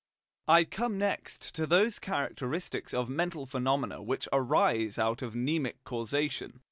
I come next to those characteristics of mental phenomena which arise out of mnemic causation.